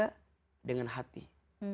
jika kita bisa melihat kemungkaran